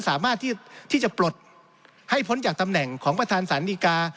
สามารถที่จะปลดให้พ้นจากตำแหน่งของประธานศาลดีกา